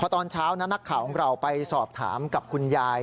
ตอนเช้านั้นนักข่าวของเราไปสอบถามกับคุณยาย